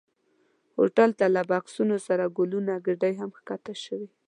هوټل ته له بکسونو سره ګلونو ګېدۍ هم ښکته شوې.